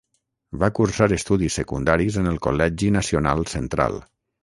Va cursar estudis secundaris en el Col·legi Nacional Central.